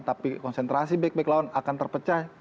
tapi konsentrasi back back lawan akan terpecah